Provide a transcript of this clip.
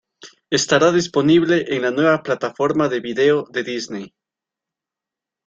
Estará disponible en la nueva plataforma de video de Disney.